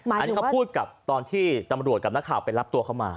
อันนี้เขาพูดกับตอนที่ตำรวจกับนักข่าวไปรับตัวเขามา